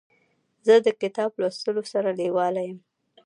زه د کتاب لوستلو سره لیواله یم.